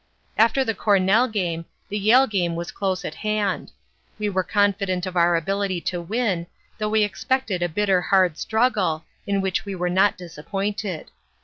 "After the Cornell game the Yale game was close at hand. We were confident of our ability to win, though we expected a bitter hard struggle, in which we were not disappointed.